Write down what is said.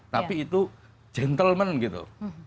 tapi itu gentleman gitu